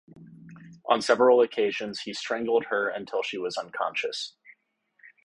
On several occasions, he strangled her until she was unconscious.